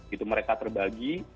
itu mereka terbagi